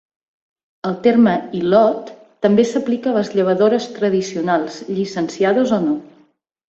El terme "hilot" també s'aplica a les llevadores tradicionals, llicenciades o no.